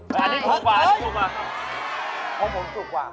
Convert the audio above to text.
คุณผมถูกว่า